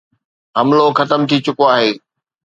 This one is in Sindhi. حملو ختم ٿي چڪو آهي.